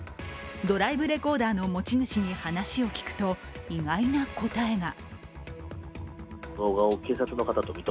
ドライブレコーダーの持ち主に話を聞くと、意外な答えが。